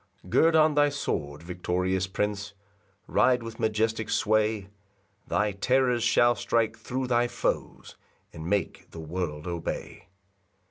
3 Gird on thy sword, victorious Prince, Ride with majestic sway; Thy terrors shall strike thro' thy foes, And make the world obey.